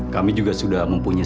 kami juga sudah mempunyai